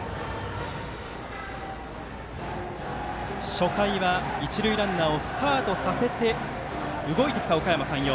初回は、一塁ランナーをスタートさせて動いてきた、おかやま山陽。